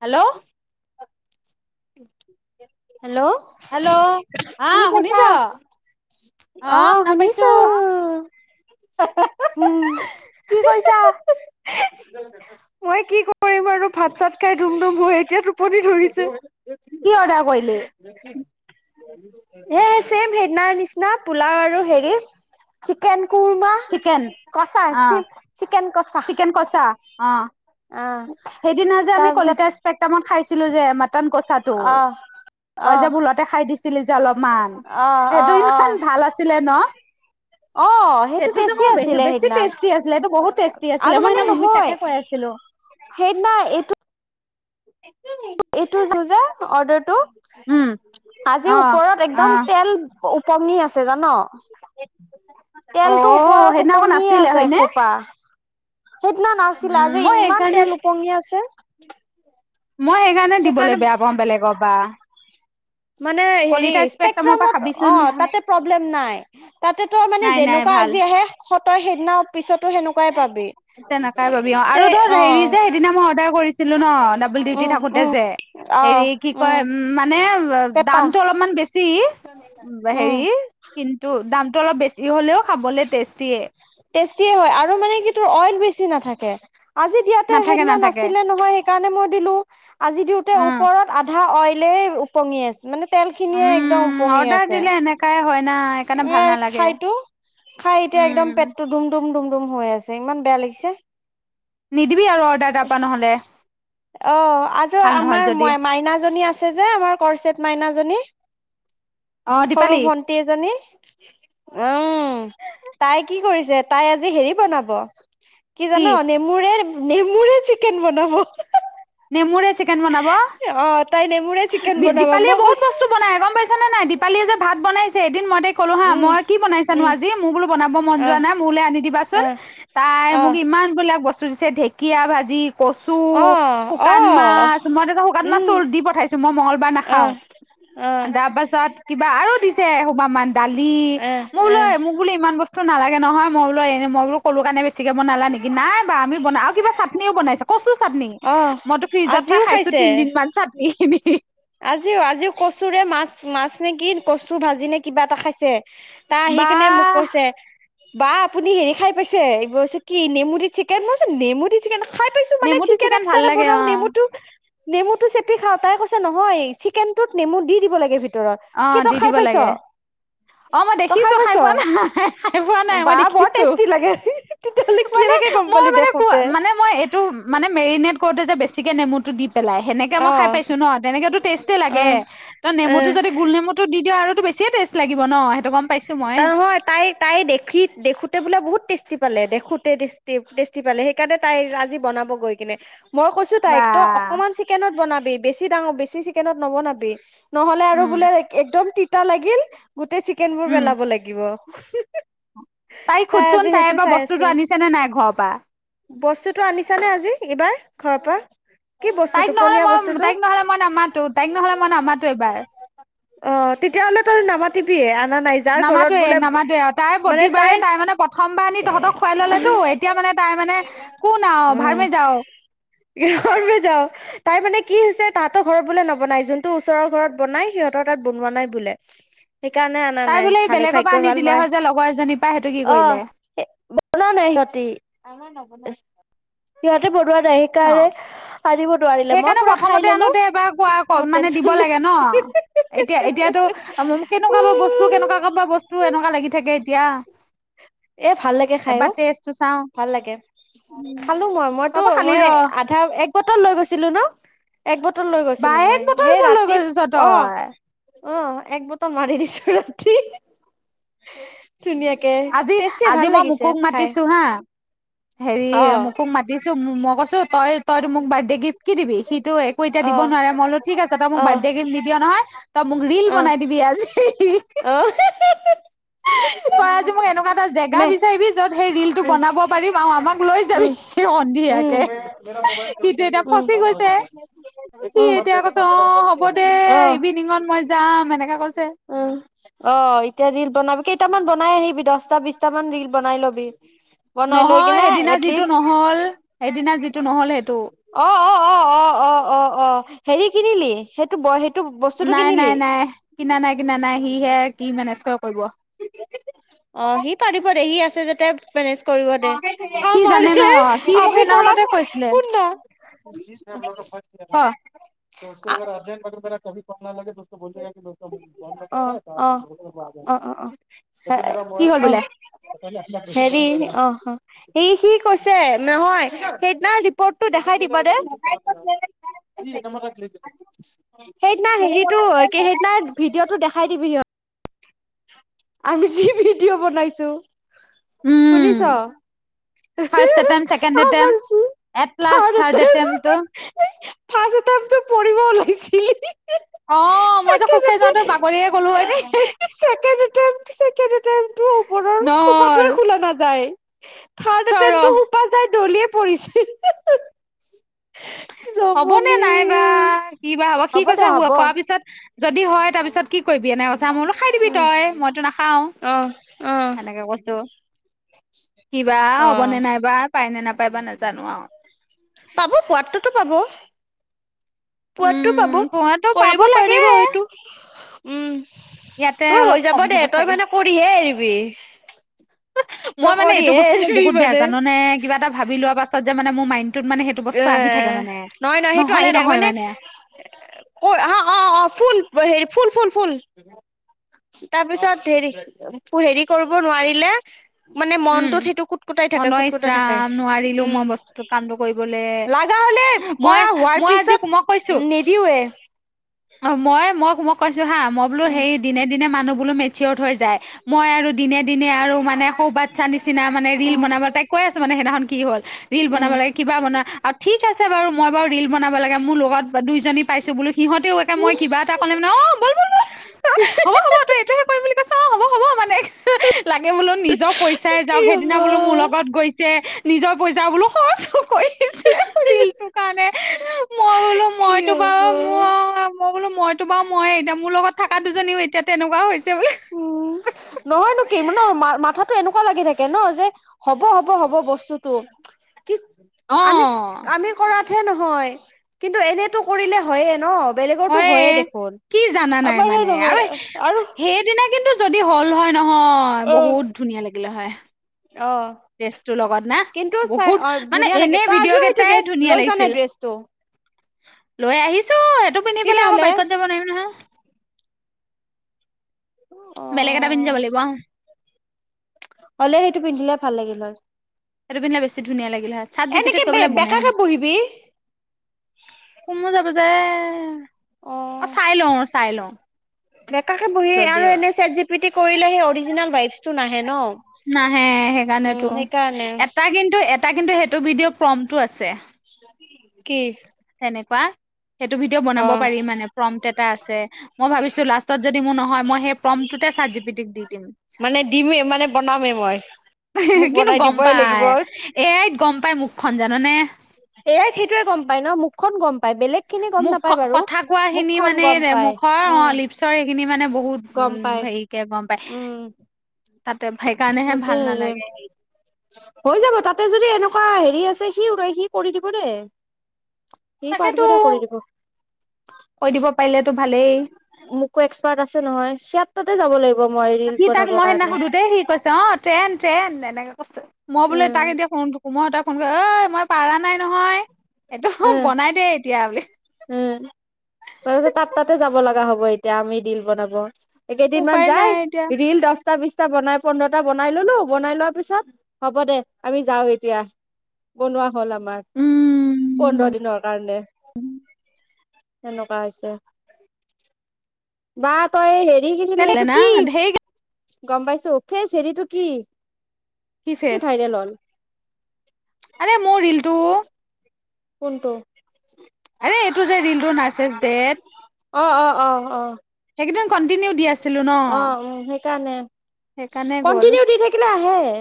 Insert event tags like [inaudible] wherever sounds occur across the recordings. Hello? Hello? Hello আহ শুনি শুনিছ পাইছা? অ' শুনা পাইছো শুনিছোঁ। উম। কি কৈছা হঁ-হঁ-হঁ-হঁ। মই কি কৰিম আৰু, ভাত-চাত খাই ধুম-ধুম হৈ এতিয়া টোপনি ধৰিছে। কি অৰ্ডাৰ কৰিলি? এ- চেম সেইদিনাৰ নিচিনা। পোলাও আৰু হেৰি চিকেন। কুৰমা, চিকেন কচা, অ চি- চিকেন ক চিকেন কচা। অ'। আহ সেইদিনা যে আমি তাৰপিছত কলিতা স্পেক্টামত খাইছিলোঁ যে মাটন কচাটো, আহ তই যে আহ ভুলতে খাই দিছিলি যে অলপ মান। আহ সেইটো আহ ইমান আহ ভাল আছিলে ন'? অ' সেইটো যে টেষ্টি মোৰ আছিলে বেছি সেইদিনা। টেষ্টি আছিলে এইটো বহুত টেষ্টি আছিলে আৰু মই মানে সেইদিনা মুনমিক তাকে নহয়, কৈ আছিলো সেইদিনা এইটো [unintelligible] এইটো যে অৰ্ডাৰটো উম আজি অ ওপৰত অ একদম তেল উপঙি আছে, জান'? অ তেলটো ওপৰত সেইদিনা আকৌ ওপঙিয়ে নাছিলে আছে, হয়নে এসোপা। সেইদিনা নাছিল উম আজি মই ইমান সেইকাৰণে তেল ওপঙি আছে আ [inaudible] মই সেইকাৰণে দিবলৈ বেয়া পাওঁ বেলেগৰ বা মানে হেৰি স্পেক্ট্ৰামৰ পৰা স্পেকট্ৰামত খাবিচোন অ তাতে প্ৰব্লেম নাই তাতে তো মানে নাই নাই যেনকা ভাল আজি আহে সত তই সেইদিনাও তেনেকাই পাবি অ তে আৰু ধ হেৰি যে অ' সেইদিনা মই অৰ্ডাৰ কৰিছিলো ন ডাবল ডিউটি উম, থাকোতে উম, যে হেৰি কি কয় উম মানে পেপা দামটো অলপ মান বেছি উম, হেৰি কিন্তু দামটো অলপ বেছি ই হ'লেও খাবলে টেষ্টিয়ে টেষ্টিয়ে হয় আৰু মানে কি তোৰ অইল বেছি নাথাকে আজি দিয়াতে নাথাকে সেইদিনা নাথাকে নাছিলে নহয় সেইকাৰণে মই দিলো আজি দিওঁতে উম ওপৰত আধা অইল প্লে উপঙি আছে মানে তেল খিনিয়ে একদম উম উপঙি অৰ্ডাৰ আছে দিলে এনেকাই হয় না সেইকাৰণে ভাল এ নালাগে খাইতো খাই এতিয়া উম একদম পেটটো ধুম ডুম ডুম ডুম হৈ আছে ইমান বেয়া লাগিছে নিদিবি আৰু অৰ্ডাৰ তা পা নহ'লে অ আজ ভাল নহয় আমাৰ যদি মা মাইনাজনি আছে যে আমাৰ কেচেত মা মাইনাজনি অ সৰু দীপালি ভন্টি এজনী উম তাই কি কৰিছে তাই আজি হেৰি বনাব কি জান নেমুৰে নেমুৰে চিকেন বনাব নেমুৰে চিকেন বনাব অ তাই নেমুৰে চিকেন দি বনাব দিপালীয়ে মই বহুত কৈছো বস্তু বনাই গম পাইছা নে নাই দীপ দিপালীয়ে যে ভাত বনাইছে এদিন মই তাইক কলো হা উম মই কি বনাই চা নো উম আজি মোৰ বোলো বনাব মন যোৱা আহ নাই মোলে আনি দিবাচোন আহ তাই মোক আহ ইমান বিলাক বস্তু বস্তু দিছে ঢেকীয়া ভাজি কচু অ অ শুকান মাছ মই তা--ছত শুকান মাছ উম দি পঠাইছো মই মঙ্গলবাৰ নাখাও আহ আহ তা পাছত কিবা আৰু দিছে বা মান দালি আহ মই বোলো আহ মোক বোলো ইমান বস্তু তো নালাগে নহয় মই বোলো এনে মই বোলো কলো কাণে বেছিকে বনালা নিকি নাই বা আমি বনা আৰু কিবা চাটনিও বনাইছে কচো চাটনি অহ মইতো ফ্ৰিজত থোৱা আজিও খাইছো খাইছে তিন দিন মান চাটনি খিনি। আজিও আজিও কচুৰে মাছ। মাছ নে কি কচু ভাজি নে কিবা এটা খাইছে, আহি কিনে মোক বা কৈছে। বা আপুনি হেৰি খাই পাইছে এই কি নেমু চিকেন মই কৈছোঁ নেমু চিকেন। খাই পাইছো মানে নেমুটো চেন চিকেন ভাল এক্সট্ৰাকে লাগে অ বনাও নেমুটো। নেমুটো চেপ খাওঁ তাই কৈছে। নহয় চিকেনটোত নেমু দি দিব লাগে ভিত। অ', দি দিব লাগে অ', মই তই দেখিছো খাই পাইছ পোৱা নাই খাই পোৱা নাই বা মই বৰ দেখিছো টেষ্টি লাগে তেতিয়াহ'লে মানে কেনেকে গম মই পালি দে মানে সোতে মানে মই এইটো মানে মেৰিনেট কৰোতে যে বেছিকে নেমু দি পেলাই সেনেকে মই অ খাই পাইছো ন টেষ্টি অ লাগে ত নেমুত এ যদি গোলনেমুতো দিয় আৰু বেছিয় টে তাৰ নহয় তাই তাই দেখি দেখোতে বোলে বহুত -টেষ্টি পালে দেখোঁতে টেষ্ট টেষ্টি পালে সেইকাৰণে তাই আজি বনাব গৈ কিনে। মই কৈছোঁ বা তাইক তই অকণমান চিকেনত বনাবী। বেছি বেছি ডাঙৰ বেছি চিকেনত ন বনাবি। নহ'লে আৰু উম বোলে একদম তিতা লাগিল। গোটেই চিকেন বোৰ উম পেলাব লাগিব। [unintelligible] তাইক সুধচোন আজি তাই সেইটো এব চাই আছে বস্তুটো আনিছেনে নাই ঘৰৰ পৰা। তো আনিছা নে আজি এইবাৰ ঘৰৰ পৰা, কি তাইক বস্তুটো নহলে পনীয়া মই বস্তুটো তাইক নহলে মই নামাতো তাইক নহলে মই নামাতো এবাৰ অঁ। তেতিয়াহ'লে তই নামাত তিবিয়ে। নামাতোৱে নামাতোৱয়ে তাই মানে প্ৰতিবাৰে তাইৰ তাই মানে প্ৰথমবাৰ আনি তহঁতক খুৱাই ললেতো এতিয়া মানে তাই মানে কোন আৰু ভাৰ উম মে যাওঁ। ঘৰলৈ যাওঁ তাই মানে কি হৈছে তাতো ঘৰত বোলে নবনাই যোনটো ওচৰৰ ঘৰত বনাই সিহঁতৰ তাত বনোৱা নাই বোলে। সেইকাৰণে অনা তাই নাই বোলে ভালে বেলেগৰ ভাগ্য পৰা আনি ভাল দিলে মই হয় যে লগৰ এজনীৰ পৰা সেইটো কি অ', কৰিলে বনা নাই সিহতি [inaudible] সিহঁতে ন পৰুোৱাৰ। হাৰিব নোৱাৰিলে মই সেইকাৰণে পুৰা খাই প্ৰথমতে ললো আনোতে এবাৰ কোৱা মোৰ মানে দিব টেনচন নাই। লাগে ন কেনেকুৱ বস্তু কেনেকুৱা বস্তু এনেকুৱা লাগি থাকে এতিয়া এ ভাল লাগে খাই এবাৰ অ টেষ্ট চাওঁ। [inaudible] ভাল লাগে খালো মই মইতো মই আধা এক বটল লৈ গৈছিলো ন? এক বটল লৈ বা গৈছিলো মই এক বটল সেই বোৰ লৈ ৰাতি গৈছ অঁ। তই অ', এক বটল মাৰি দিছো ৰাতি। ধুনীয়াকে আজি টেষ্টি ভাল -আজি মই লাগিছে মোকুক খাই মাতিছো হা হেৰি অ মোকুক মাতিছো ম কৈছো তই তই ত মোক বাদ্য ডেগি [unintelligible] কি দিবি সিটো একো এতিয়া অ দিব নোৱাৰে মই ঠিক আছে তই মোক বাৰ্থডে অ গিফ্ট নিদিয় নহয়। তই মোক ৰিল বনাই দিবি আজি অ [inaudible] তই আজি মোক এনেকুৱা এটা জেগা মে বিচাৰিবি য'ত উম বনাব পাৰিম আৰু আমাক তোক লৈ যাবি উম উম সন্ধিয়াকে সিটো এতিয়া উম ফচি গৈছে সি এতিয়া কৈছে অ হব দে অ ইভিনিঙত মই যাম এনেকা কৈছে উ অ এতিয়া ৰিল বনাবি কেইটামান বনাই আহিবি দহটা বিছটা মান ৰিল বনাই লবি বনাই লৈ নহয় কিনে সেইদিনা যি যিটো এটলিষ্ট নহ'ল সেইদিনা যিটো নহ'ল সেইটো অ অ অ অ অ অ হেৰি কিনিলি সেইটো বয় সটো নাই নাই নাই কিনা নাই কিনা নাই সিহে কি মেনেজ কৰে কৰিব অ সি পাৰিব দে সি যাতে ৰেষ্ট কৰিব দে সি আমাৰ জানে ন হে সি মোক আমি কৰা সেইদিনাখনতে কৈছিলে সোন না ক অ অ অহ অহ অ কি হ'ল বোলে হেৰি অ অ সি সি কৈছে নহয় সেইদিনা পত দেখাই দিব দে সেইদিনা হেৰিতটো সেইদিনা ভিডিঅ' টো দেখাই দিবি সিহত [inaudible] আমি যি ভিডিঅ' বনাইছো উম শুনিছ ফাৰ্ষ্ট এটেম্প ছেকেণ্ড এটেম্প আমাৰ কি এট লাষ্ট তাৰ থাৰ্ড এটেম্পটো তাতে ফাষ্ট এটেমটো পৰিব ওলাইছিলি অ মই যে খোজ ছেকেণ্ড কাঢ়ি এটেম্প যাওঁতে বাগৰিয়ে গলো হয় দেই ছেকেণ্ড এটেম্প ছেকেণ্ড এটেমটো ওপৰৰ সোপাটো নহল খোলা নাযায় তাই থাড চ ৰ এটেমটো সোপা যায় দলিপ পৰিছে হ'বনে জমনি নাইবা বা হ'ব সি কৈছে দে হ'ব খোৱাৰ পিছত যদি হয় তাৰপিছত কি কৰিবি এনে কৈছা মই বোলো খাই দিবি উম তই মইতো নাখাও, অ অ সেনেকে কৈছো। কি বা অ হ'বনে নাইবা পাই নে নাপ- পাইবা নাজানো আও পাব পোৱাটোত টো পাব। পোৱাটো পাব উম তহতো পাব কৰিব লাগে পাৰিব সেইটো। উম ইয়াতে তোৰ অলপ হৈ যাব কম দে হ'ব তই চাগে। মানে কৰিহে এৰিবি তই মই মানে এইটো কৰিহে বস্তু মোক এৰিবি বহুত বেয়া মানে জাননে, কিবা এটা ভাবি লোৱা পাছ- ছত যে মোৰ মাইণ্ড এ নহয় নহয় সেইটো নহ'লে আহি থাকে নহয় মানে ক অ অ অ ফুল হেৰি ফুল ফুল ফুল তাৰপিছত হেৰি হেৰি কৰিব নোৱাৰিলে। মানে উম মনটোত সেইটো কুটকুটাই থাকে মনৰ ইচ কুটকুটাই থাকে, ৰাম নোৱাৰিলো উম। মই বস্তু কামটো কৰিবলে লাগা হলে মই কৰা হোৱাৰ মই আজি পিছত মই কৈছো নিদিওৱে মই। মক মক কৈছ হা মই বোলো উম সেই দিনে দিনে মানুহবো- বো মেচিয়ত হৈ যায় মই আৰু দিনে দিনে আৰু মানে সৌবাত। চানিছ চিনা মানে ৰিল উম বনাব তাই কৈ আছে মানে সেই দিনাখন। কি হ'ল? ৰিল বনাব উম লাগে কিবা বনা আৰু ঠিক আছে বাৰু মই বাৰু ৰিল বনাব লাগে মোৰ লগত দুইজনী পাইছো বোলো সিহতেও একে মই কিবা এটা কলে মানে অ বল হ'ব হব তই এইটোহে কৰিম বুলি কৈছ অ হব। হ'ব লাগে বোলো নিজক পইচাই কি যাওক সেইদিনা বোলো মোৰ লগত গৈছে। নিজৰ পইচা বোলো খৰছ হ'ব। কৈছে হব ৰিলটো কাৰণে মই বোলো কি মইতো হ'ব বাৰু ম মই বোলো মইতো বাৰু মই এতিয়া মোৰ লগত। থকা দুজনীও এতিয়া তেনেকুৱা হৈছে বোলো উম নহয়নো কি মা মাথ- কথাটো এনেকুৱা লাগি থাকে ন যে হ'ব হ'ব হ'ব বস্তুতটো। কি অ আমি আমি কৰাত। নহয় কিন্তু এনেতটো কৰিলে হয়য়ে ন। বেলেগতো হয়ে হয় দেখোন। কি জানা নাই আমাৰহে মানে নহয় আৰু আৰু সেইদিনা কিন্তু যদি হ'ল হয় নহয় অ বহুত ধুনীয়া লাগিলে হয়। অ ড্ৰেছটো লগত না? কিন্তু চাই বহুত অ মানে ধুনীয়া লাগে এনে তই ভিডিঅ' আজিও সেইটো কেইটাই ড্ৰেছ ধুনীয়া লৈ যোৱা নাই লাগিছিল। ড্ৰেছটো লৈ আহিছো। টো পিন্ধি পেলাই আকৌ তেতিয়াহ'লে বাইকত যাব নোৱাৰিম নহয়। অ বেলেগ এটা পিন্ধ যাব লাগিব আও। হলে সেইটো পিন্ধিলে ভাল লাগিল হয়। সেইটো পিন্ধিলে বেছি ধুনীয়া লাগিলে হয়। চাত জি পি তিত এনেকে কৈ বে পেলাই বনে। বেকাকে বহিবি কমো যাব যে। অঁ অ চাই লওঁ চাই লওঁ। বেকাকে বহি যদি আৰু এনে ছেট জী কৰিলে সেই অৰিজনেল ভাইবছ টো নাহে ন। নাহে উম সেইকাৰণেতটো। সেইকাৰণে এটা কিন্তু এটা কিন্তু সেইটো ভিডিঅ' কমটো আছে। কি? তেনেকুৱা সেইটো ভিডিঅ' অ বনাব পাৰি মানে ফ্ৰণ্ট এটা আছে। মই ভাবিছো লাষ্টত যদি মোৰ নহয় মই সেই প্ৰমটটোতে চাতজিপিতি ক দি দিম। মানে দিমেই মানে বনামেই মই মোক [unintelligible] কিন্তু বনাই গম দিবই পাই লাগিব। এয়াইত গম গম পাই ম মুখখন জাননে। এয়াই ত সেইটোৱে গম পায় ন। মুখখন গম পাই। বেলেগ খিনি গম মুখ নাপায় বাৰু। কথা কোৱা খিনি মুখখন মানে গম এই পায় মুখৰ অ উম লিপচৰ সখিনি মানে বহুত গম উম পায় হেৰিকে গম পায় সেইটোয়েৰে হৈ যাব তাতে যদি কেনেকুৱা হেৰি আছে সি উৰাই সি কৰি দিব দে। সি তাকেতো পাৰ্থিব দ কৰি দিব। কৈ দিব পাৰিলেতো ভালেই মোকো এক্সপাৰ্ট আছে নহয় হেইয়ত তাতে যাব লাগিব। মই ৰিলচ সি তাক বনাবৰ মই সেইদিনা কাৰণে সুধোতেই সি কৈছ অ ট্ৰেইন ট্ৰেইন এনেকে কৈছ। মই বোলে উম তাক এতিয়া ফোন মইহতে ফোন কৰি ঐ মই পাৰা নাই নহয়। এইটো উম বনাই দে। এতিয়া বোলে উম। তাৰপিছত তাৰ তাতে যাব লগা হ'ব এতিয়া আমি দিল বনাব। একেইদিনমান উপায় যায় নাই এতিয়া দুদিন দছ পচটা বিছটা বনাই পোন্ধৰটা বনাই ললো। বনাই লোৱাৰ পিছত হ'ব দে আমি যাও এতিয়া। বনোৱা হ'ল আমাৰ উম পোন্ধৰ দিনৰ কাৰণে। এনেকুৱা হৈছে। বাহ ত সেই দে গছিলে তেনেহলে এইটো না কি? ধেই গম পাইছো উফে হেৰিটো কি? কি ভাইৰেল হল? আৰে মোৰ ৰিলটো অ। কোনটো? এইটো যে ৰীল অঁ অঁ অঁ আহ কণ্টিনিউ দি আছে। অঁ, উম সেইকাৰণে। সেইকাৰণে গ'ল কণ্টিনিউ দি থাকিলে আহি সেয়ে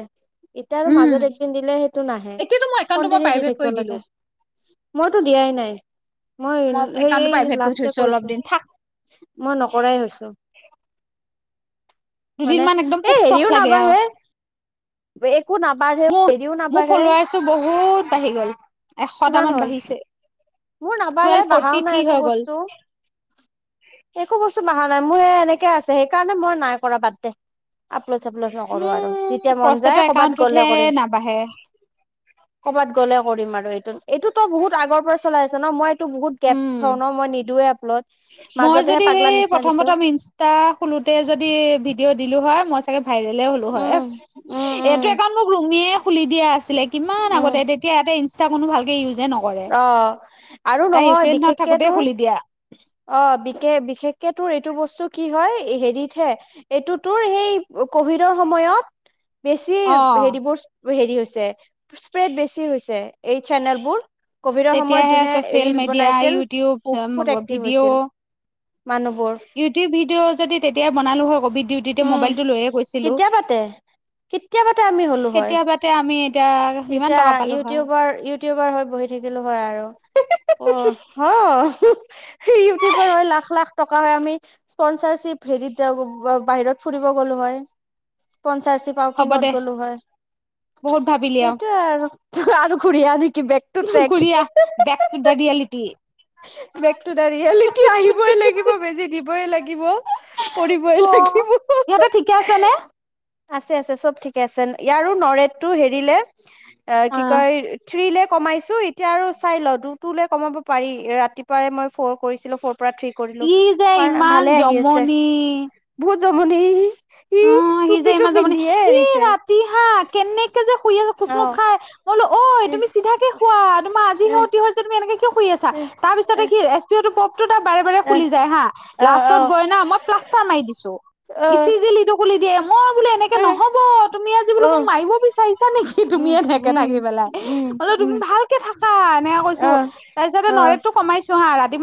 এতিয়া আৰু উম মাজত একদিন দিলে সেইটো নাহে। এতিয়াতো মই একাউণ্টটো মই কন্টিনিউ দি প্ৰাইভেট থাকব কৰি দিলো লাগে। মইতো দিয়াই নাই। মই একাউণ্টটো সেই প্ৰাইভেট কৰি লাষ্টে থৈছো অলপ কৰিছো। দিন থাক মই নকৰাই হৈছো। মানে দুদিনমান একদম এ খুব চখ হেৰিও লাগে আৰু নাবাঢ়ে। একো নাবাঢ়ে মোৰ হেৰিও মোৰ নাবাঢ়ে। ফলোৱাৰ্চো বহুত বাঢ়ি গল। কিমান এশটামান হ'ল বাঢ়িছে। মোৰ নাবাঢ়ে। টুৱেল্ভ বঢ়াও ফৰ্টি নাই থ্ৰী একো হৈ গ'ল বস্তু। একো বস্তু বঢ়া নাই। মোৰ এনেকৈ আছে। সেইকাৰণে মই নাই কৰা বাদ দে। পলচা প্লচা কৰো আৰু যেতিয়া মোৰ মন যায় প্ৰচেতৰ কৰ'বাত গ'লে একাউণ্টটোতহে কৰিম। নাবাঢ়ে কৰবাত গ'লে কৰিম আৰু। এইটোতো বহুত আগৰ পৰা চলাই আছে ন? মই এইটো বহুত গেপ থওঁ উম ন মই নিদোৱে আপলোড মই মাজতেহে যদি পাগলা সেই নিচিনা প্ৰথম দিছো প্ৰথম ইনষ্টা খুলোতে যদি ভিডিঅ' দিলো হয়, মই চাগে ভাইৰেলে হলো হয়। উম উম এইটো উম একাউণ্ট মোক ৰুমিয়ে খুলি দিয়া আছে। ছিলে কিমান আগতে তেতিয়া এটা ই কোনো ভালকে ইউজ অঁ আৰু আৰু নহয় ইউক্ৰেইনত বিশেষকে থাকোতে তোৰ খুলি দিয়া অঁ বিশ বিশেষকে তোৰ এইটো বচতো কি হয় হেৰিতহে এইটো তোৰ সেই কভিডৰ সময়ত বেছি অ হেৰি বছ হেৰি হৈছে স্প্ৰেড বেছি হৈছে এই চেনেলবোৰ কভিডৰ সময়ত তেতিয়াহে যোনে চচিয়েল ৰিল মিডিয়া বনাইছিল ইউটিউব বহুত এক্টিভ হৈছিল ভিডিঅ' মানুহবোৰ ইউটিউব ভিডিঅ' যদি তেতিয়া বনালো হ কভি উম কেতিয়া পাতে কেতিয়া বাতে আমি হলো হয় কেতিয়াবাতে আমি এতিয়া কিমান এতিয়া টকা পালো হয়। ইউটিউবাৰ ইউটিউবাৰ হয় বহিত থাকিলো হয় আৰু অঁ হম ইউটিউবৰ হয় লাখ লাখ টকা হয় আমি স্পনচাৰশিপ হেৰি যাব বা বাহিৰত ফুৰিব গ'লো হয় পঞ্চাশিপ হ'ব দে আউটিঙত গ'লো হয় বহুত ভাবিলি আও সেইটোৱে আৰু আৰু ঘূৰি আহ কি বেক টু ট্ৰেক ঘূৰি আহ back to the reality. Back to the reality আহিবই লাগিব বেজি দিবই লাগিব কৰিবই অ, লাগিব ইহঁতে ঠিকে আছে নে? আছে আছে চব ঠিকে আছে ইয়াৰো নৰেটটো হেৰিলে অ কি কয় থ্ৰী লেখ কমাইছো এতিয়া আৰু চাই ল দুটোলে কমাব পাৰি ৰাতিপুৱাই মই ফ'ৰ কৰিছিলো ফ'ৰ পৰা থ্ৰী কৰিলো ই যে ইমান ভালে আহি আছে জমনি বহুত জমনি ই অ সি যে টুপিটো ইমান যাব নি পিন্ধিয়ে সি এৰিছে ৰাতি হা কেনেকে যে শুই আছ অ খোচমচ খাই মই বলো ঐ তুমি উ চিধাকে হোৱা তোমা আজিহে উ অতি হৈছে তুমি এনেকে শুই আছা অ', তাৰ পিছত সি এছ পি অো বাৰে বাৰে খুলি যায় হা লাষ্টত গৈ না মই প্লাষ্টাৰ মাৰি দিছো ই চি জি লিভ খুলি দিয়ে মই বোলো এনেকে নহব তুমি আজি বোলো মোক উম, মাৰিব বিচাৰিছা নেকি তুমিয়ে এনেকে উম, থাকি পেলাই উম, অলপ তুমি উম, ভালকে থাক এনেকে কৈছো অ', তাৰপিছতে অ'। নৰেতটো কমাইছো হা ৰাতি